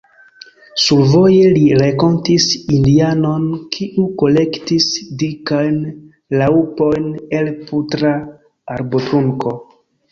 Survoje ni renkontis indianon, kiu kolektis dikajn raŭpojn el putra arbotrunko.